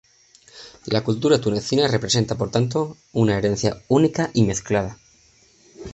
La cultura tunecina representa por tanto una herencia única y mezclada.